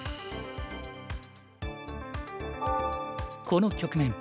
この局面